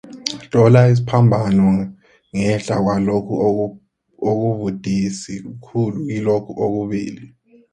Tlola isiphambano ngehla kwalokho okubudisi khulu kilokhu okubili.